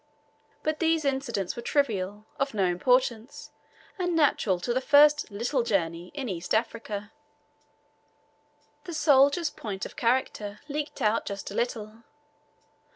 But these incidents were trivial, of no importance, and natural to the first "little journey" in East Africa. The soldiers' point of character leaked out just a little.